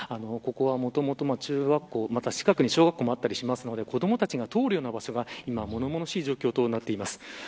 ここは、もともと中学校近くに小学校もあったりしますので子どもたちが通る場所がものものしい状態になっています。